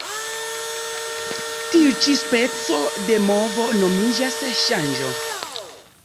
Tiu ĉi speco de movo nomiĝas ŝanĝo.